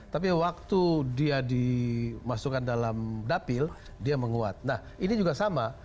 tapi waktu dia dimasukkan dalam dapil dia menguat nah ini juga sama